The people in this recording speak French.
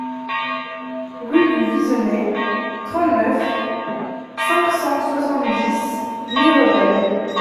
Rue du Viseney, trente-neuf, cinq cent soixante-dix Mirebel